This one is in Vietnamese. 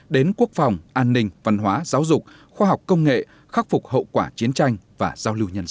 đến quốc phòng an ninh văn hóa giáo dục khoa học công nghệ khắc phục hậu quả chiến tranh và giao lưu nhân dân